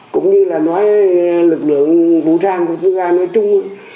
cũng như là nói lực lượng vũ trang của chúng ta nói chung